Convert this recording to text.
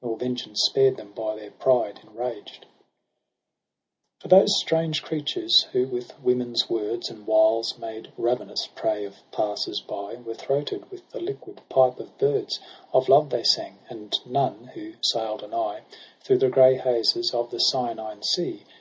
Nor vengeance spared them by their pride enraged. L X 148 EROS & PSYCHE 3 For those strange creatures, who with women's words And wiles made ravenous prey of passers by. Were throated with the liquid pipe of birds : Of love they sang ; and none, who saU'd anigh Through the grey hazes of the cyanine sea.